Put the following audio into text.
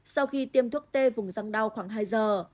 sau khi tiêm thuốc tê vùng răng đau khoảng hai giờ